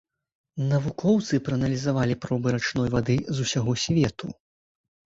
Навукоўцы прааналізавалі пробы рачной вады з усяго свету.